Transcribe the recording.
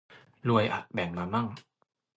รวยอะ แบ่งมามั่ง